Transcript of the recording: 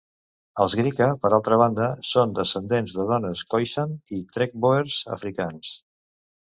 Els griqua, per altra banda, són descendents de dones khoisan i trekkboers afrikaans.